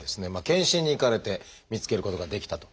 健診に行かれて見つけることができたと。